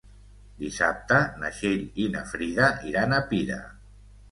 Dissabte na Txell i na Frida iran a Pira.